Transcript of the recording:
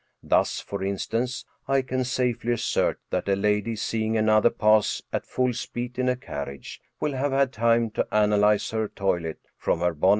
Thus, for instance, I can safely assert that a lady seeing another pass at full speed in a carriage, will have had time to analyze her toilet from her bonnet 208 M